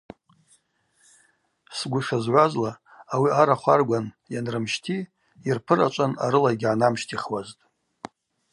Сгвы шазгӏвазла, ауи арахв аргван йанрымщти йырпырачӏван арыла йгьгӏанамщтихуазтӏ.